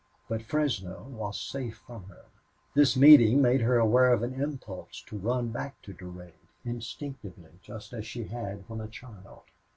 But Fresno was safe from her. This meeting made her aware of an impulse to run back to Durade, instinctively, just as she had when a child.